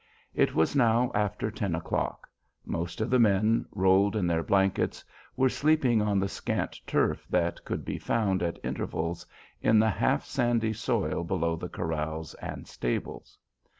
It was now after ten o'clock; most of the men, rolled in their blankets, were sleeping on the scant turf that could be found at intervals in the half sandy soil below the corrals and stables.